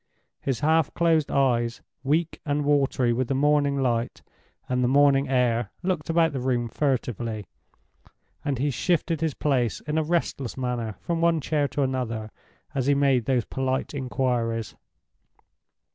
His half closed eyes, weak and watery with the morning light and the morning air, looked about the room furtively, and he shifted his place in a restless manner from one chair to another, as he made those polite inquiries.